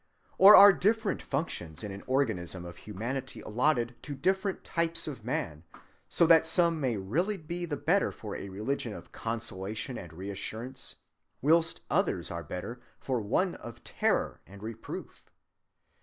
Or are different functions in the organism of humanity allotted to different types of man, so that some may really be the better for a religion of consolation and reassurance, whilst others are better for one of terror and reproof?